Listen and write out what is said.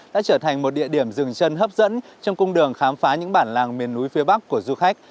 đã trở thành một địa điểm rừng chân hấp dẫn trong cung đường khám phá những bản làng miền núi phía bắc của du khách